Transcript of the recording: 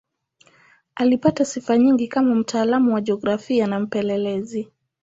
Alipata sifa nyingi kama mtaalamu wa jiografia na mpelelezi.